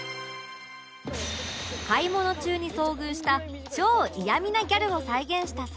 買い物中に遭遇した超嫌みなギャルを再現した際